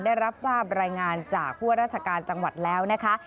ได้รับทราบรายงานจากผู้ว่าราชการจังหวัดแล้วนะคะ